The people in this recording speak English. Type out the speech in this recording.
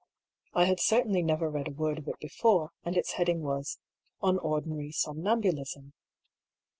I had cer tainly never read a word of it before ; and its heading was " On Ordinary Somnambulism."